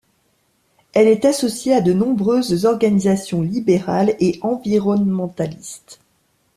Elle est associée à de nombreuses organisations libérales et environnementalistes.